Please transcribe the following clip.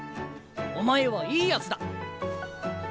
お前はいいやつだ。